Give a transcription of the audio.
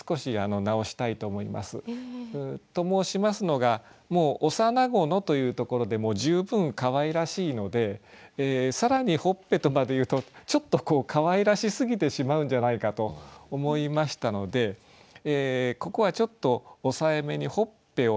と申しますのがもう「幼子の」というところで十分かわいらしいので更に「頬つぺ」とまで言うとちょっとかわいらしすぎてしまうんじゃないかと思いましたのでここはちょっと抑えめに「頬つぺ」をやめてですね